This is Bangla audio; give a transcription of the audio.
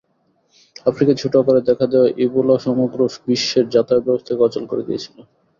আফ্রিকায় ছোট আকারে দেখা দেওয়া ইবোলা সমগ্র বিশ্বের যাতায়াতব্যবস্থাকে অচল করে দিয়েছিল।